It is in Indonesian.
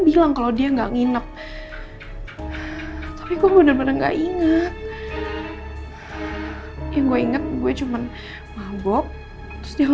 nino kan di rumah